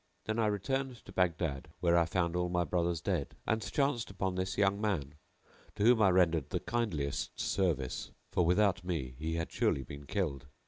Then I returned to Baghdad where I found all my brothers dead and chanced upon this young man, to whom I rendered the kindliest service, for without me he had surely been killed.